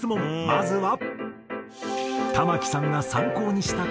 まずは。